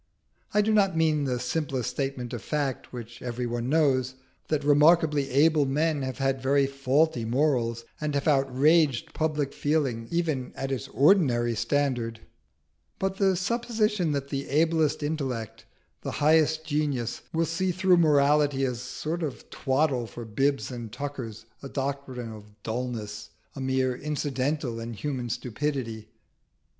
I do not mean the simple statement of fact, which everybody knows, that remarkably able men have had very faulty morals, and have outraged public feeling even at its ordinary standard; but the supposition that the ablest intellect, the highest genius, will see through morality as a sort of twaddle for bibs and tuckers, a doctrine of dulness, a mere incident in human stupidity.